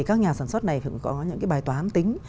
các nhà sản xuất này phải có những cái bài toán tính